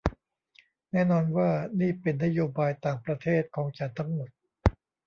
แน่นอนว่านี่เป็นนโยบายต่างประเทศของฉันทั้งหมด